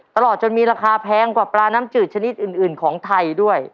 ตลอดจนมีราคาแพงกว่าปลาน้ำจืดชนิดอื่นของไทยด้วย